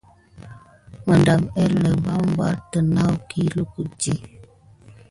Məɗam héhélèk barbar té naku lukudi.